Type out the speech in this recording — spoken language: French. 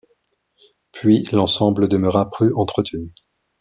Puis l'ensemble demeura peu entretenu.